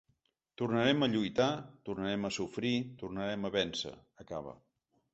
Tornarem a lluitar, tornarem a sofrir, tornarem a vèncer, acaba.